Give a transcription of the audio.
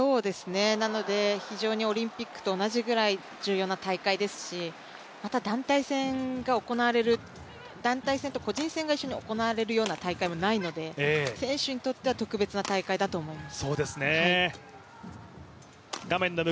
なので、非常にオリンピックと同じぐらい重要な大会ですしまた団体戦と個人戦が一緒に行われるような大会もないので選手にとっては特別な大会だと思います。